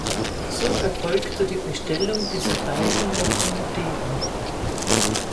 So erfolgte die Bestellung dieser beiden Lokomotiven.